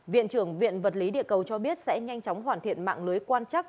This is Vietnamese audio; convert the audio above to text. viện trưởng viện vật lý địa cầu cho biết sẽ nhanh chóng hoàn thiện mạng lưới quan chắc